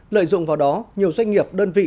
lợi dụng vào đó nhiều doanh nghiệp đơn vị